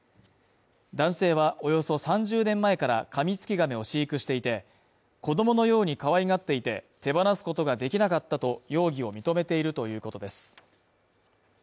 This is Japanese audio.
男性はおよそ３０年前からカミツキガメを飼育していて、子供のようにかわいがっていて、手放すことができなかったと容疑を認めているということです。